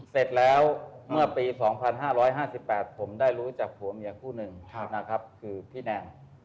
เสร็จแล้วเมื่อปี๒๕๕๘ผมได้รู้จากผัวเมียคู่หนึ่งนะครับคือพี่แนน